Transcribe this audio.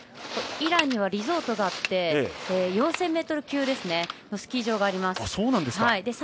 イランにはリゾートがあって４０００ｍ級のスキー場があります。